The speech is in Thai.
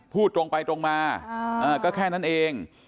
พูดตรงไปตรงมาก็แค่นั้นเอง